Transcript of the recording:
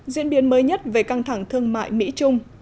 diễn biến mới nhất về căng thẳng thương mại mỹ trung